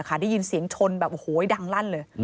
ได้ยินเสียงชนแบบโอ้โหดังลั่นเลย